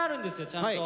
ちゃんと。